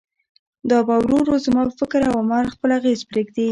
دا به ورو ورو زما پر فکر او عمل خپل اغېز پرېږدي.